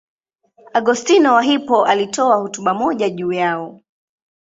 Augustino wa Hippo alitoa hotuba moja juu yao.